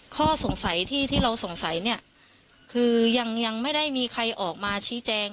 ข้อสงสัยที่ที่เราสงสัยเนี่ยคือยังไม่ได้มีใครออกมาชี้แจง